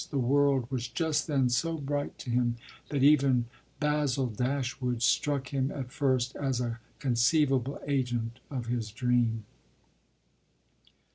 The world was just then so bright to him that even Basil Dashwood struck him at first as a conceivable agent of his dream.